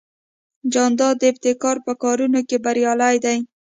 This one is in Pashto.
جانداد د ابتکار په کارونو کې بریالی دی.